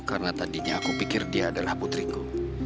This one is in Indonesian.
karena tadinya aku pikir dia adalah putriku